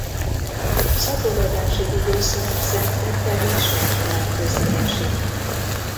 Szaporodási időszaka szeptember és február közé esik.